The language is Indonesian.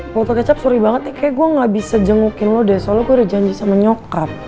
waktu kecap suri banget nih kayaknya gue gak bisa jengukin lo deh soalnya gue udah janji sama nyokap